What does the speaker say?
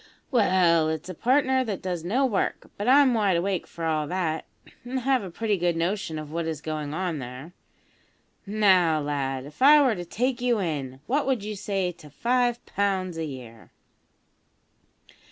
"Well, it's a partner that does no work; but I'm wide awake for all that, an' have a pretty good notion of what is going on there. Now, lad, if I were to take you in, what would you say to 5 pounds a year?"